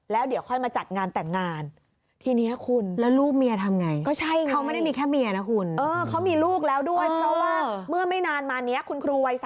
แล้วเดี๋ยวค่อยมาจัดงานแต่งงาน